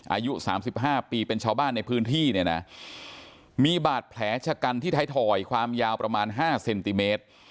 อายุ๓๕ปีเป็นชาวบ้านในพื้นที่เนี่ยนะมีบาดแผลชะกันที่ไทยทอยความยาวประมาณ๕เซนติเมตร